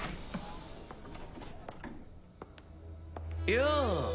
よう